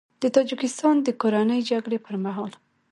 د تاجیکستان د کورنۍ جګړې پر مهال